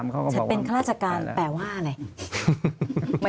จะเป็นข้าราชการแปลว่าอะไร